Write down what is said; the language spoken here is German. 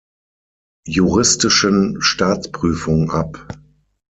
Juristischen Staatsprüfung ab.